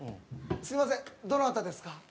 すみませんどなたですか？